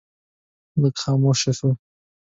لږ خاموشه شو.